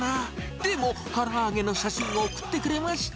でも、から揚げの写真を送ってくれました。